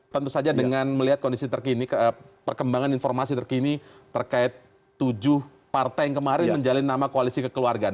tentu saja dengan melihat kondisi terkini perkembangan informasi terkini terkait tujuh partai yang kemarin menjalin nama koalisi kekeluargaan